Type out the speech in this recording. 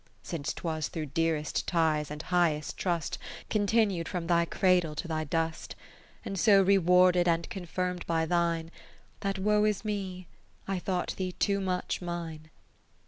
Since 'twas through dearest ties and highest trust Continued from thy cradle to thy dust ; 80 And so rewarded and confirm'd by thine, That (woe is me !) I thought thee too much mine.